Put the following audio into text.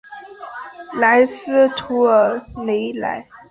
莱斯图尔雷莱。